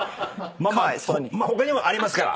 まあまあ他にもありますから。